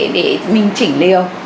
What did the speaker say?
để mình chỉnh liều